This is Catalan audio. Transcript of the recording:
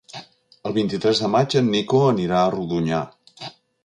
El vint-i-tres de maig en Nico anirà a Rodonyà.